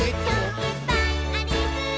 「いっぱいありすぎー！！」